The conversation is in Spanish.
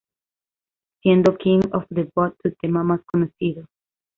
Siendo "King Of The Bop" su tema más conocido.